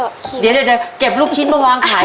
เดี๋ยวเก็บลูกชิ้นมาวางขาย